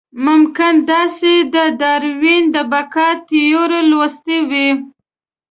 ممکن تاسې د داروېن د بقا تیوري لوستې وي.